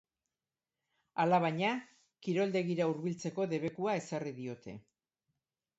Alabaina, kiroldegira hurbiltzeko debekua ezarri diote.